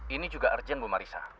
ini juga urgent bu marissa